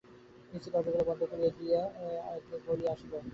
নিচের দরজাগুলো বন্ধ করে দিয়ে আসি গে।